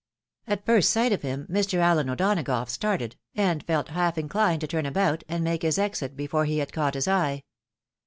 At first sight of him, Mr. Alien O'Donagough started, and felt half inchned to turn about, and make his exit before he had caught his eye.